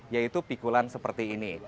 yaitu pikulan seperti ini